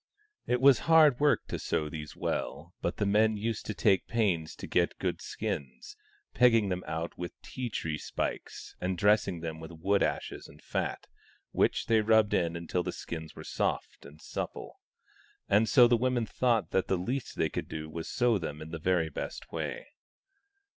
It was hard work to sew these well, but the men used to take pains to get good skins, pegging them out with tea tree spikes and dressing them with wood ashes and fat, which they rubbed in until the skins were soft and supple ; and so the women thought that the least they could do was to sew them in the very best way.